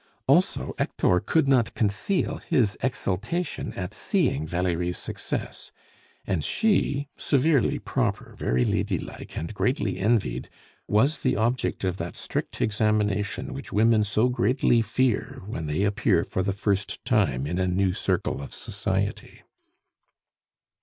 Also, Hector could not conceal his exultation at seeing Valerie's success; and she, severely proper, very lady like, and greatly envied, was the object of that strict examination which women so greatly fear when they appear for the first time in a new circle of society.